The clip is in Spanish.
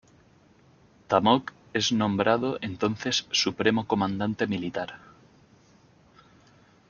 Ta Mok es nombrado entonces Supremo Comandante Militar.